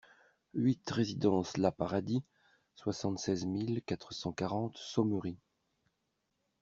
huit résidence la Paradis, soixante-seize mille quatre cent quarante Sommery